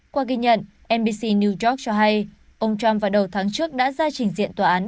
qua ghi nhận mbc new york cho hay ông trump vào đầu tháng trước đã ra trình diện tòa án